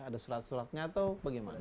ada surat suratnya atau bagaimana